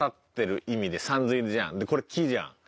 でこれ「木」じゃん。